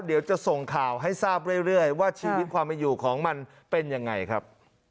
เดี๋ยวจะส่งข่าวให้ทราบเรื่อยว่าชีวิตความไม่อยู่ของมันเป็นยังไงครับ